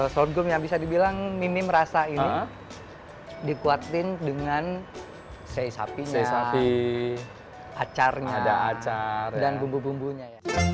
sorghum yang bisa dibilang mimim rasa ini dikuatkan dengan sei sapi acar dan bumbu bumbunya